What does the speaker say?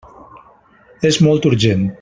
És molt urgent.